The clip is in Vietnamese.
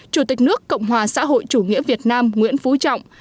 chủ tịch nước cộng hòa xã hội chủ nghĩa việt nam nguyễn phú trọng